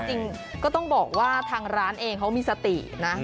จริงก็ต้องบอกว่าทางร้านเองเขามีสตินะ